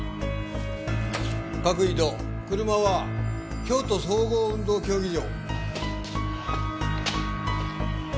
各移動車は京都総合運動競技場。